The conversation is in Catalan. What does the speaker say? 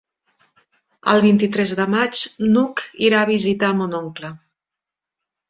El vint-i-tres de maig n'Hug irà a visitar mon oncle.